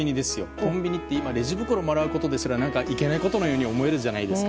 コンビニって今レジ袋もらうことすらいけないことのように思うじゃないですか。